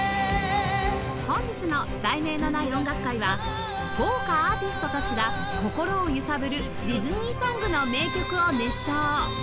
本日の『題名のない音楽会』は豪華アーティストたちが心を揺さぶるディズニーソングの名曲を熱唱